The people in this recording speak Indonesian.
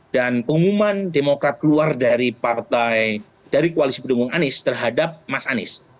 dan pengumuman demokrat keluar dari partai dari kualisi pendukung anies terhadap mas anies